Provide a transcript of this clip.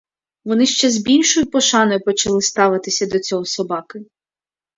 Вони ще з більшою пошаною почали ставитися до цього собаки.